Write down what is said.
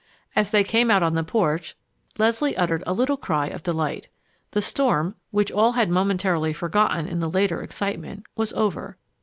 As they came out on the porch, Leslie uttered a little cry of delight. The storm, which all had momentarily forgotten in the later excitement, was over.